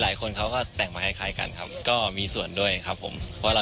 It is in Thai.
หลายคนจะแต่งไม่เหมือนแขกไฮกัน